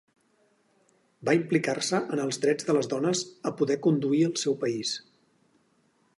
Va implicar-se en els drets de les dones a poder conduir al seu país.